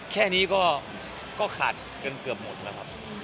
แค่นี้ก็ขาดจนเกือบหมดแล้วครับ